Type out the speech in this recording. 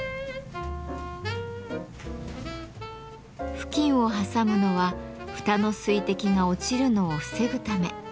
布巾を挟むのは蓋の水滴が落ちるのを防ぐため。